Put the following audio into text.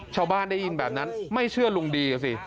ชาวบ้านได้ยินแบบนั้นไม่เชื่อลุงดีก็สิ